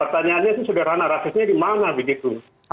pertanyaannya itu sederhana rasisnya di mana begitu